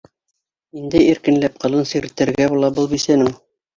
Инде иркенләп ҡылын сиртергә була был бисәнең.